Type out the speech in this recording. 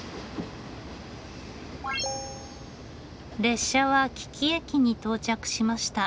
列車は木岐駅に到着しました。